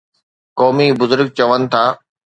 قومي بزرگ چون ٿا